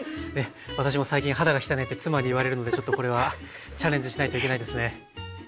私も最近肌が汚いって妻に言われるのでちょっとこれはチャレンジしないといけないですね。